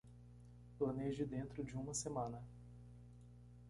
Planeje dentro de uma semana